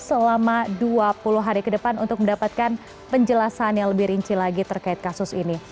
karena dua puluh hari ke depan untuk mendapatkan penjelasan yang lebih rinci lagi terkait kasus ini